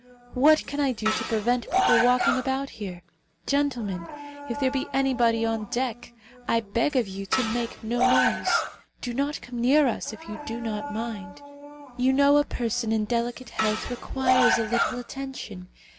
What can I do to prevent people walking about here? Gentlemen, if there be anybody on deck, I beg of you to make no noise. Do not come near us, if you do not mind. You know a person in delicate health requires a little attention.